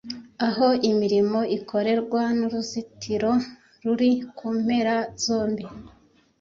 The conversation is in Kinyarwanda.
aho imirimo ikorerwa, n'uruzitiro ruri ku mpera zombi.